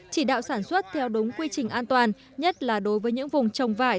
chỉ đạo sản xuất theo đúng quy trình an toàn nhất là đối với những vùng trồng vải